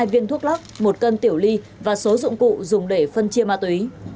hai viên thuốc lắc một cân tiểu ly và số dụng cụ dùng để phân chia ma túy